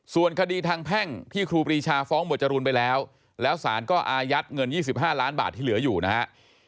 ส่วนคดีทางแพ่งที่ครูปรีชาฟ้องหมวดจรูนไปแล้วแล้วสารก็อายัดเงิน๒๕ล้านบาทที่เหลืออยู่นะฮะ